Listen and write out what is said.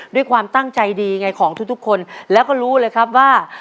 ด้วยความตั้งใจดีไงของทุกคนแล้วก็รู้เลยครับว่า